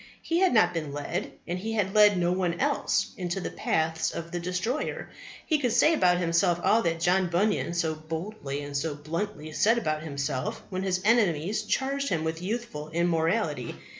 He had not been led, and he had led no one else, into the paths of the destroyer. He could say about himself all that John Bunyan so boldly and so bluntly said about himself when his enemies charged him with youthful immorality.